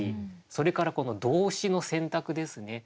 それからこの動詞の選択ですね。